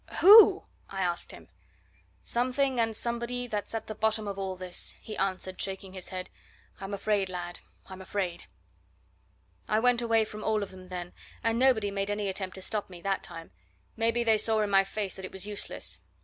who?" I asked him. "Something and somebody that's at the bottom of all this!" he answered, shaking his head. "I'm afraid, lad, I'm afraid!" I went away from all of them then, and nobody made any attempt to stop me, that time maybe they saw in my face that it was useless.